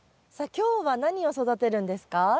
さあ今日は何を育てるんですか？